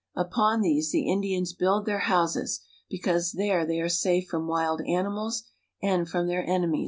Upon these the Indians build their houses, because there they are safe from wild animals and from their enemies.